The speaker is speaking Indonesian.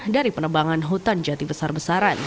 dari penebangan hutan jati besar besaran